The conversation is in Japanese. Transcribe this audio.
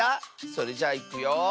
それじゃいくよ。